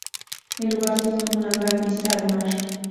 El lugar tiene una gran vista al mar.